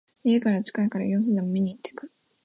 家から近いから様子でも見にいってくる